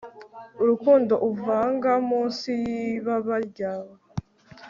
Urukundo uvanga munsi yibaba ryawe